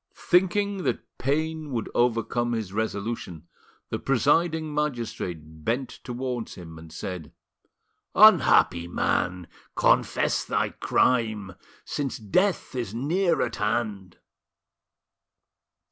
Thinking that pain would overcome his resolution, the presiding magistrate bent towards him, and said: "Unhappy man! confess thy crime, since death is near at hand."